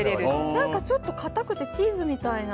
何かちょっと、硬くてチーズみたいな。